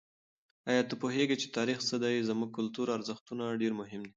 آیا ته پوهېږې چې تاریخ څه دی؟ زموږ کلتوري ارزښتونه ډېر مهم دي.